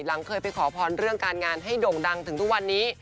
เคยไปขอพรเรื่องการงานให้โด่งดังถึงทุกวันนี้